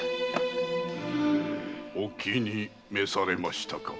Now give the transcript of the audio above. お気に召されましたか？